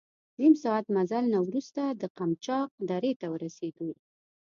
نیم ساعت مزل نه وروسته د قمچاق درې ته ورسېدو.